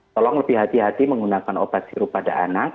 tolong lebih hati hati menggunakan obat sirup pada anak